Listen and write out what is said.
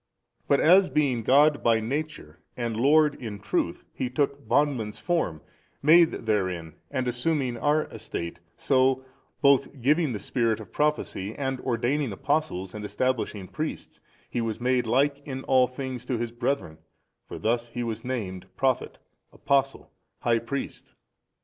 But as being God by Nature and Lord in truth, He took bondman's form, made therein and assuming our estate, so, both giving the Spirit of Prophecy and ordaining Apostles and establishing Priests, He was made like in all things to His brethren: for thus was He named, Prophet, Apostle, High Priest.